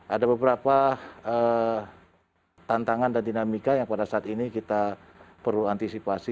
ada beberapa tantangan dan dinamika yang pada saat ini kita perlu antisipasi